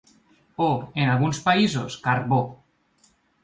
O, en alguns països, carbó.